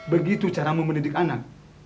begitu caramu mendidik anak